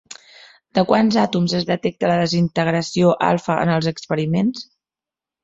De quants àtoms es detecta la desintegració alfa en els experiments?